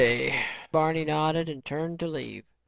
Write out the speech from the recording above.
K.," Barney nodded and turned to leave.